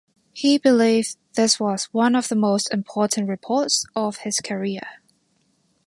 He believed this was one of the most important reports of his career.